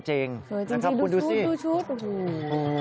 สวยจริงดูชุบนะครับคุณดูสิโอ้โฮ